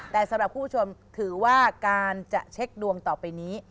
แต่สำหรับคุณผู้ชมถือว่าการจะเช็คดวงต่อไปนี้